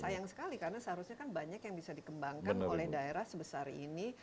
sayang sekali karena seharusnya kan banyak yang bisa dikembangkan oleh daerah sebesar ini